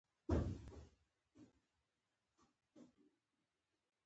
ایا مصنوعي ځیرکتیا د انتقادي فکر اړتیا نه کموي؟